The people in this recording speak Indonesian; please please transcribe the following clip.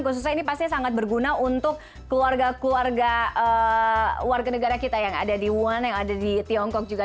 khususnya ini pasti sangat berguna untuk keluarga keluarga negara kita yang ada di wuhan yang ada di tiongkok juga